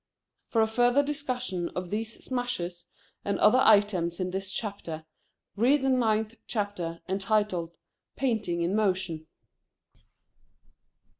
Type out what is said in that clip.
For a further discussion of these smashes, and other items in this chapter, read the ninth chapter, entitled "Painting in Motion."